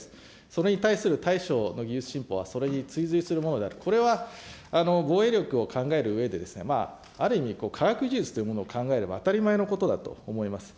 それに対する対処の技術進歩はそれに追随するものである、これは防衛力を考えるうえで、ある意味、科学技術というものを考えれば、当たり前のことだと思います。